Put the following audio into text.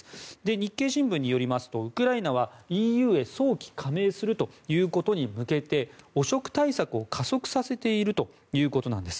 日経新聞によりますとウクライナはＥＵへ早期加盟するということに向けて汚職対策を加速させているということなんです。